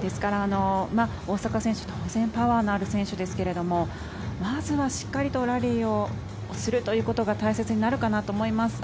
ですから、大坂選手当然パワーのある選手ですがまずはしっかりとラリーをするということが大切になるかなと思います。